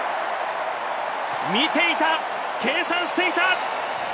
見ていた、計算していた！